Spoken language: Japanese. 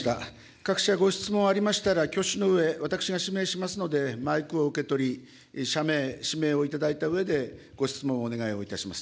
各社ご質問ありましたら、挙手のうえ、私が指名しますので、マイクを受け取り、社名、氏名を頂いたうえで、ご質問をお願いいたします。